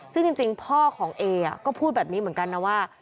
ซึ่งจริงพ่อของเอก็พูดแบบนี้เหมือนกันนะว่า